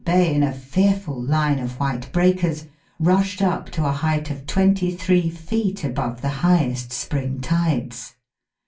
iy in a fearful line of white breakers, rushed up to a height of twenty three feet above the highest spring tides.